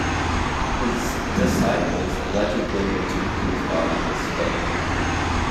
His disciples allegedly returned his body to Spain.